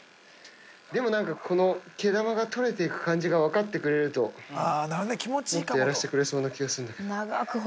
でもなんか、この毛玉が取れていく感じが分かってくれると、もっとやらせてくれそうな気がするんだけど。